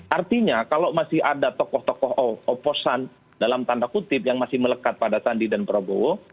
artinya kalau masih ada tokoh tokoh oposan dalam tanda kutip yang masih melekat pada sandi dan prabowo